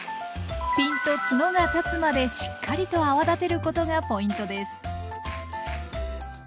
ピンとツノが立つまでしっかりと泡立てることがポイントです。